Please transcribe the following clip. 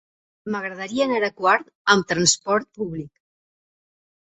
M'agradaria anar a Quart amb trasport públic.